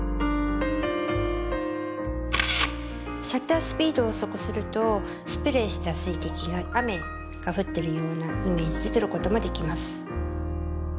シャッタースピードを遅くするとスプレーした水滴が雨が降ってるようなイメージで撮る事もできます。